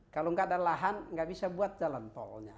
kalau tidak ada lahan tidak bisa buat jalan tolnya